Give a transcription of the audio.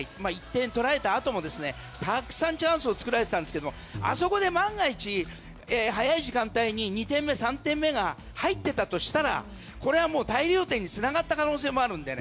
１点取られたあともたくさんチャンスを作られてたんですけどあそこで万が一、早い時間帯に２点目、３点目が入っていたとしたら大量点につながった可能性もあるので。